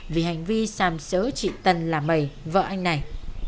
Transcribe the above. vì hành vi xàm xỡ chị tận là mày vợ anh này